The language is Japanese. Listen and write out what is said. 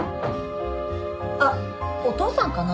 ・あっお父さんかな？